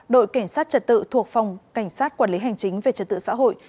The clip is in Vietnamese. đội cảnh sát trật tự thuộc phòng cảnh sát quản lý hành chính về trật tự xã hội